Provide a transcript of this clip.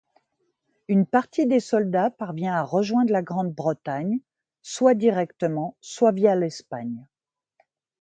Une partie des soldats parvient à rejoindre la Grande-Bretagne, soit directement soit via l'Espagne.